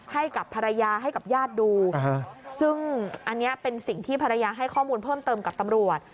ให้กับภรรยาให้กับญาติดูซึ่งอันนี้เป็นสิ่งที่ภรรยาให้ข้อมูลเพิ่มเติมกับตำรวจ